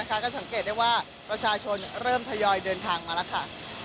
ก็สังเกตได้ว่าประชาชนเริ่มทยอยเดินทางมาแล้วค่ะ